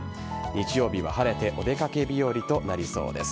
日曜日は晴れてお出掛け日和となりそうです。